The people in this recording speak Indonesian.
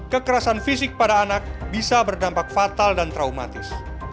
kekerasan fisik pada anak bisa berdampak fatal dan traumatis